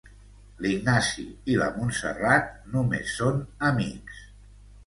L'Ignasi i la Montserrat només són amics.